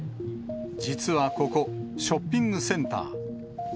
実はここ、ショッピングセンター。